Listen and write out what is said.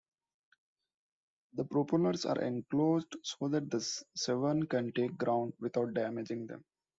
The propellers are enclosed so that the Severn can take ground without damaging them.